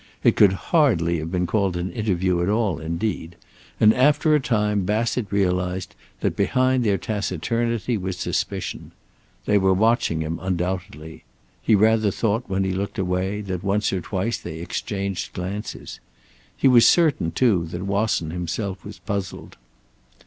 It could hardly have been called an interview at all, indeed, and after a time Bassett realized that behind their taciturnity was suspicion. They were watching him, undoubtedly; he rather thought, when he looked away, that once or twice they exchanged glances. He was certain, too, that Wasson himself was puzzled.